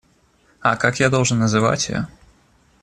А как я должен называть ее?